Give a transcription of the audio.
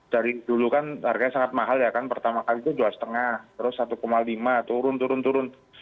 dari dulu kan harganya sangat mahal pertama kali itu rp dua lima trus rp satu lima turun turun turun